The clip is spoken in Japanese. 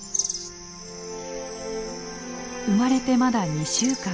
生まれてまだ２週間。